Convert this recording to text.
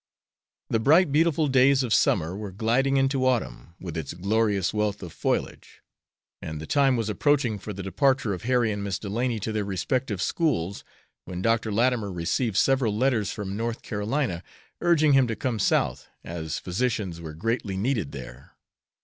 The bright, beautiful days of summer were gliding into autumn, with its glorious wealth of foliage, and the time was approaching for the departure of Harry and Miss Delany to their respective schools, when Dr. Latimer received several letters from North Carolina, urging him to come South, as physicians were greatly needed there.